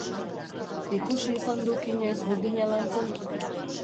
Ikusi izan duk inoiz burdina lantzen?